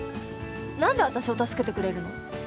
何で私を助けてくれるの？